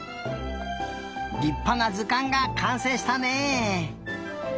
りっぱなずかんがかんせいしたね。